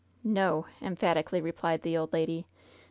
"No!" emphatically replied the old lady.